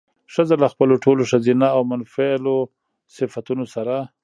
ښځه له خپلو ټولو ښځينه او منفعلو صفتونو سره